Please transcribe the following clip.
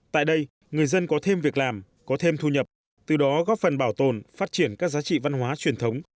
tại đây người dân có thêm việc làm có thêm thu nhập từ đó góp phần bảo tồn phát triển các giá trị văn hóa truyền thống